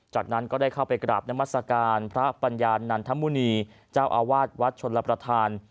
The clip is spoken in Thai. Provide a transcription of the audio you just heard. จากนั้นก็ได้เข้าไปกราบนมัศกาลพระปัญญานันทมุณีเจ้าอาวาสวัดชนรับประทาน